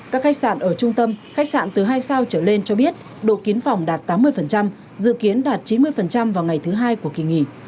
các khách sạn ở trung tâm khách sạn từ hai sao trở lên cho biết độ kiến phòng đạt tám mươi dự kiến đạt chín mươi vào ngày thứ hai của kỳ nghỉ